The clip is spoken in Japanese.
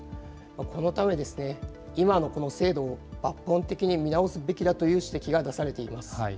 このため、今のこの制度を抜本的に見直すべきだという指摘が出されています。